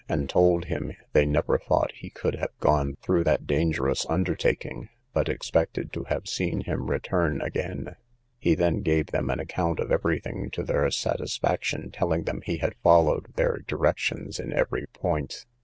and told him they never thought he could have gone through that dangerous undertaking, but expected to have seen him return again. He then gave them an account of every thing to their satisfaction, telling them he had followed their directions in every point.